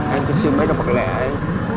anh cứ xin mấy đồng bạc lẻ ấy